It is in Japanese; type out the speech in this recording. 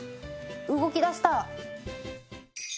動き出した。